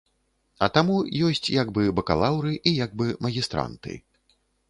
А таму ёсць як бы бакалаўры і як бы магістранты.